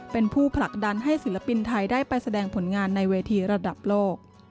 เป็นผู้ผลักดันให้ศิลปินไทยได้ไปแสดงผลงานในเวทีระดับโลก